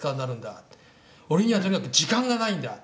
俺にはとにかく時間がないんだ」って。